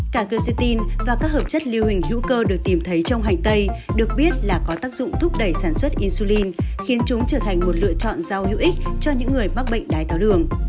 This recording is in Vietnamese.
cả gatine và các hợp chất lưu hình hữu cơ được tìm thấy trong hành tây được biết là có tác dụng thúc đẩy sản xuất insulin khiến chúng trở thành một lựa chọn rau hữu ích cho những người mắc bệnh đái tháo đường